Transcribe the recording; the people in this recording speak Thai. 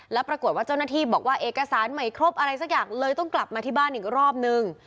แล้วปรากฏว่าเจ้าหน้าที่บอกว่าเอกสารใหม่ครบอะไรสักอย่างเลยต้องกลับมาที่บ้านอีกรอบนึง